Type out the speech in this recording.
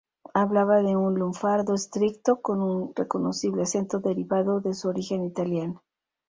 Hablaba un lunfardo estricto con un reconocible acento derivado de su origen italiano.